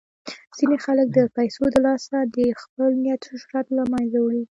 ځینې خلک د پیسو د لاسه خپل نیک شهرت له منځه وړي.